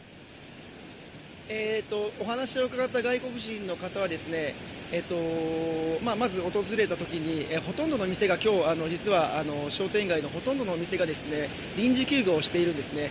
お話を伺った外国人の方はまず訪れたときに今日、実は商店街のほとんどのお店が臨時休業しているんですね。